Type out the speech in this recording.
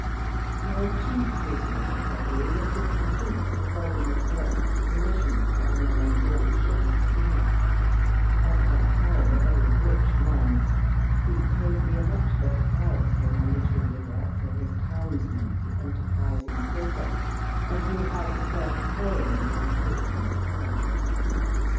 My chief business at Beverley was to complete the volume of verse commissioned by my Yorkshire Maecenas, at that time a very rich man, who paid me a much better price for my literary work than his townsman, the enterprising printer, and who had the first claim on my thought and time.